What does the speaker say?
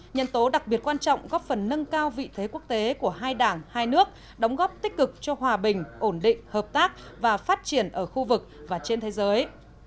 nhân tố đặc biệt quan trọng góp phần nâng cao vị thế quốc tế của hai đảng hai nước đóng góp tích cực cho hòa bình ổn định hợp tác và phát triển ở khu vực và trên thế giới